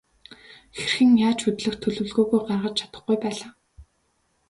Хэрхэн яаж хөдлөх төлөвлөгөөгөө гаргаж чадахгүй байлаа.